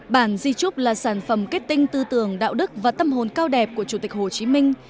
bản di trúc là sản phẩm kết tinh tư tưởng đạo đức và tâm hồn cao đẹp của chủ tịch hồ chí minh